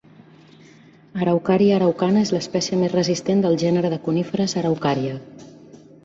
"Araucaria araucana" és l'espècie més resistent del gènere de coníferes "Araucaria".